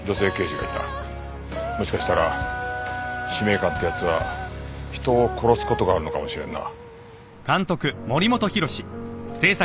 もしかしたら使命感ってやつは人を殺す事があるのかもしれんな。